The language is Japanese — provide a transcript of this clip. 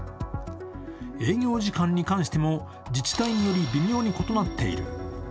営業時間に関しても自治体により、微妙に異なっている。